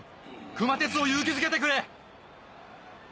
熊徹を勇気づけてくれ！